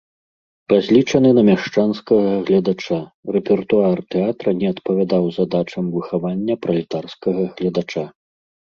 Разлічаны на мяшчанскага гледача, рэпертуар тэатра не адпавядаў задачам выхавання пралетарскага гледача.